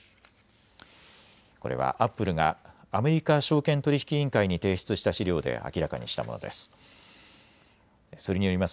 これはアップルがアメリカ証券取引委員会に提出した資料で明らかにしたものです。